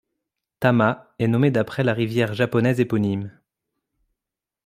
Tama est nommé d'après la rivière japonaise éponyme.